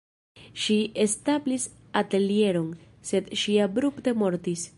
Ŝi establis atelieron, sed ŝi abrupte mortis.